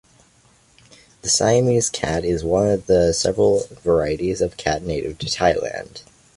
The Siamese cat is one of the several varieties of cat native to Thailand.